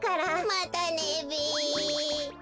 またねべ。